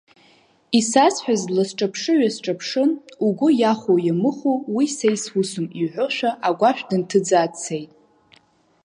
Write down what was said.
Исазҳәаз дласҿаԥшы-ҩасҿаԥшын, угәы иахәоу-иамыхәоу уи са исусым иҳәошәа, агәашә дынҭыӡаа дцеит.